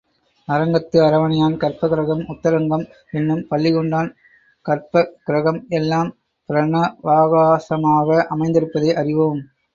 அரங்கத்து அரவணையான் கர்ப்பக்கிரஹம், உத்தரங்கம் என்னும் பள்ளி கொண்டான் கர்ப்பக்கிருஹம் எல்லாம் பிரணவாகாசமாக அமைந்திருப்பதை அறிவோம்.